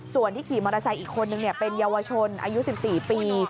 ส่วนที่ขี่มอเตอร์ไซค์อีกคนนึงเป็นเยาวชนอายุ๑๔ปี